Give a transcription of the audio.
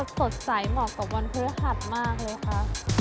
สดใสเหมาะกับวันพฤหัสมากเลยค่ะ